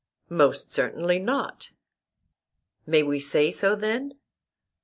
Most certainly not. May we say so, then?